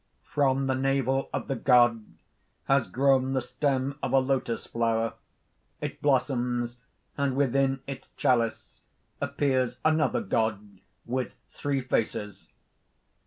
(_From the navel of the god has grown the stem of a lotus flower; it blossoms, and within its chalice appears another god with three faces.